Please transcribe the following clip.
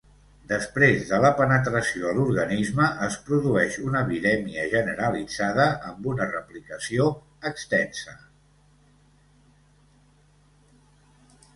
Després de la penetració a l’organisme es produeix una virèmia generalitzada, amb una replicació extensa.